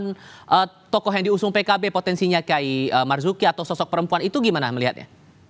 kemudian tokoh yang diusung pkb potensinya ki marzuki atau sosok perempuan itu gimana melihatnya